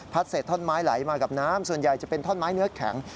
เสร็จท่อนไม้ไหลมากับน้ำส่วนใหญ่จะเป็นท่อนไม้เนื้อแข็ง